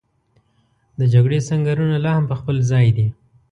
د جګړې سنګرونه لا هم په خپل ځای دي.